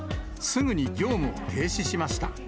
すぐに業務を停止しました。